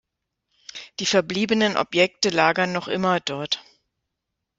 Die verbliebenen Objekte lagern noch immer dort.